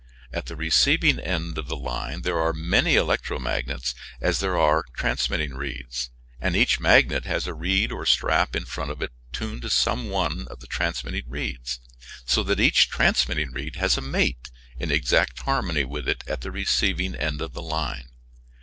At the receiving end of the line there are as many electromagnets as there are transmitting reeds, and each magnet has a reed or strap in front of it tuned to some one of the transmitting reeds, so that each transmitting reed has a mate in exact harmony with it at the receiving end of the line.